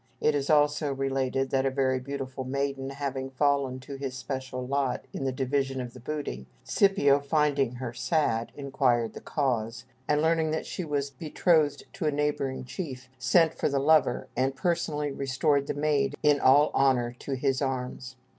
It is also related that a very beautiful maiden having fallen to his special lot in the division of the booty, Scipio finding her sad, inquired the cause, and learning that she was betrothed to a neighboring chief, sent for the lover, and personally restored the maid in all honor to his arms.